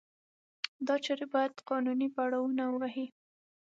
دا چارې باید قانوني پړاونه ووهي.